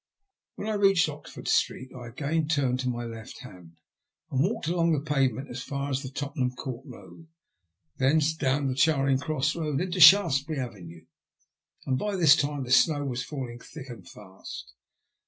When I reached Oxford Street I again turned to my left hand, and walked along the pavement as far as the Tottenham Court Boad, thence down the Charing Cross Boad into Shaftesbury Avenue. By this time the snow was falling thick and fast.